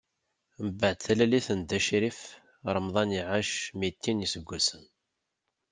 Mbeɛd talalit n Dda Crif, Ramḍan iɛac mitin n iseggasen.